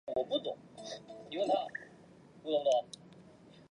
清朝雍正二年升格为直隶州。